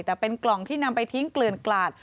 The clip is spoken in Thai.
แต่เป็นกล่องที่นำไปทิ้งเกลื่อนกลาด